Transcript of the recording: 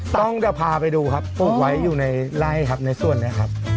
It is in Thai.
ต้องจะพาไปดูครับปลูกไว้อยู่ในไล่ครับในส่วนนี้ครับ